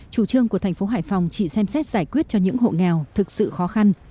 chủ trương của thành phố hải phòng chỉ xem xét giải quyết cho những hộ nghèo thực sự khó khăn